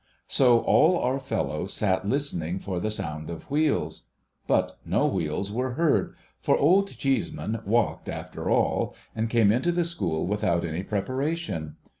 So, all our fellows sat listening for the sound of wheels. But no wheels were heard, Tor Old Cheeseman walked after all, and came into the school without any preparation.